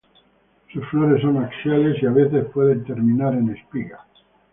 Sus flores son axiales y, a veces, pueden terminar en espiga.